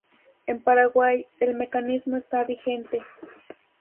En Paraguay, el mecanismo está vigente.